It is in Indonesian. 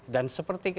dan seperti kita lihat